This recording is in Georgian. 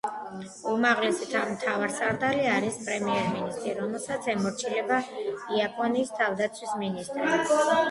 უმაღლესი მთავარსარდალი არის პრემიერ-მინისტრი, რომელსაც ემორჩილება იაპონიის თავდაცვის მინისტრი.